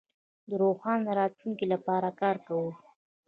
د روښانه راتلونکي لپاره کار کوو.